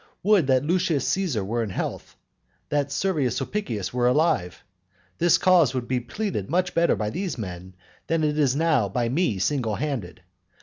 Would that Lucius Caesar were in health, that Servius Sulpicius were alive. This cause would be pleaded much better by these men, than it is now by me single handed.